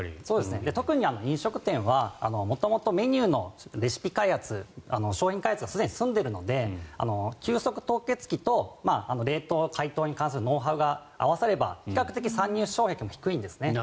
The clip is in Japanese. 特に飲食店は元々、メニューの商品開発がすでに済んでいるので急速冷凍機などのノウハウが合わされば比較的参入障壁も低いんですね。